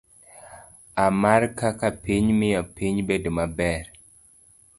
A. mar Kaka Piny Miyo Piny Bedo Maber